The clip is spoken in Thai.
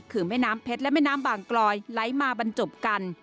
คือแม่น้ำเพชรและแม่น้ำบางกลอยไหลมาบรรจบกัน